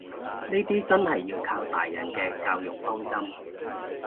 呢啲真係要靠大人嘅教育方針